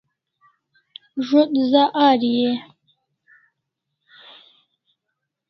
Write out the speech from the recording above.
Zo't za Ari e ?